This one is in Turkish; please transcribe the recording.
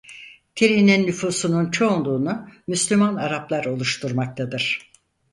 Tire'nin nüfusunun çoğunluğunu Müslüman Araplar oluşturmaktadır.